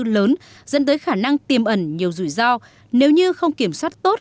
lớn dẫn tới khả năng tiềm ẩn nhiều rủi ro nếu như không kiểm soát tốt